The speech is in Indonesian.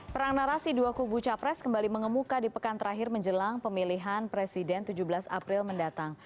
perang narasi dua kubu capres kembali mengemuka di pekan terakhir menjelang pemilihan presiden tujuh belas april mendatang